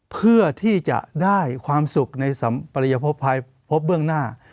เพื่อที่จะได้ความสุขในพบเบื้องหน้า